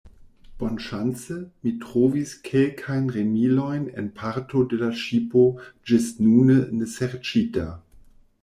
Bonŝance, mi trovis kelkajn remilojn en parto de la ŝipo ĝisnune neserĉita.